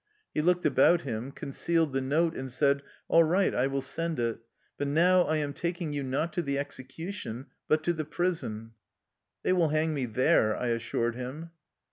He looked about him, concealed the note, and said: "All right; I will send it. But now I am taking you not to the execution, but to the prison." " They will hang me there/' I assured him.